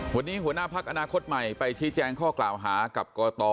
วันนี้หัวหน้าพักอนาคตใหม่ไปชี้แจงข้อกล่าวหากับกต